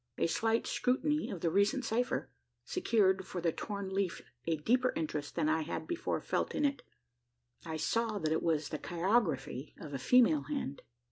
A slight scrutiny of the recent cipher secured for the torn leaf a deeper interest than I had before felt in it: I saw that it was the chirography of a female hand.